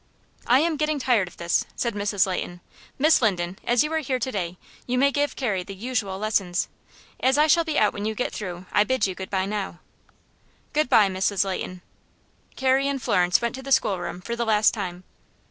"I am getting tired of this," said Mrs. Leighton. "Miss Linden, as you are here to day, you may give Carrie the usual lessons. As I shall be out when you get through, I bid you good by now." "Good by, Mrs. Leighton." Carrie and Florence went to the schoolroom for the last time.